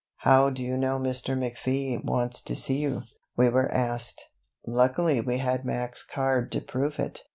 "How do you know Mr. McFee wants to see you?" we were asked. Luckily we had Mac's card to prove it.